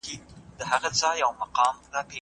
تاسو باید د کابل د اوسېدونکو له ستونزو خبر سئ.